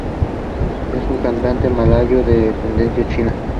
Es un cantante malayo de ascendencia china.